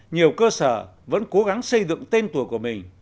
nhiều cơ sở vẫn cố gắng xây dựng tên tuổi của mình